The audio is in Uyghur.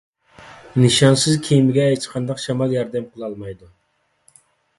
نىشانسىز كېمىگە ھېچقانداق شامال ياردەم قىلالمايدۇ.